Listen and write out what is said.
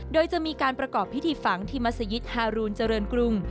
โดยจะมีการประกอบพิธีฝังที่มัศยิตฮารูนเจริญกรุง